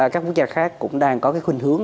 các quốc gia khác cũng đang có cái khuyên hướng